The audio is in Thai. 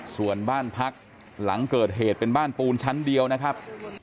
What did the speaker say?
ส่วนบ้านพักหลังเกิดเหตุเป็นบ้านปูนชั้นเดียวนะครับ